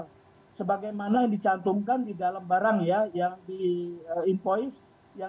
sebagaimana yang dicantumkan di dalam barang ya yang di empoice